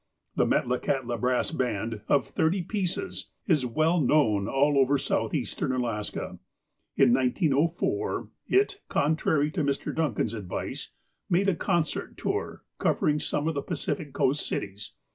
The Metlakahtla brass baud, of thirty pieces, is well known all over Southeastern Alaska. In 1904 it, contrary to Mr. Duncan's advice, made a concert tour covering some of the Pacific Coast cities.